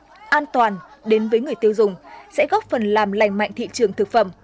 an toàn đến với người tiêu dùng sẽ góp phần làm lành mạnh thị trường thực phẩm